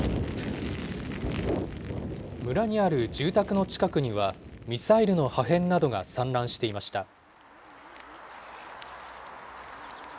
村にある住宅の近くには、ミサイルの破片などが散乱していました。